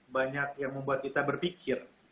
banyak yang membuat kita berpikir